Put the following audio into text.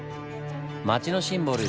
町のシンボル